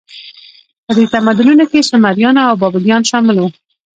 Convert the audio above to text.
په دې تمدنونو کې سومریان او بابلیان شامل وو.